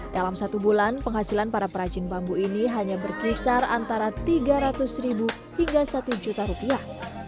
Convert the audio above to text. dalam satu bulan penghasilan para perajin bambu ini hanya berkisar antara tiga ratus ribu hingga satu juta rupiah